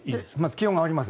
気温が上がります。